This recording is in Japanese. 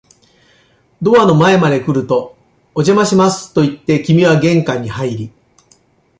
ドアの前まで来ると、お邪魔しますと言って、君は玄関に入り、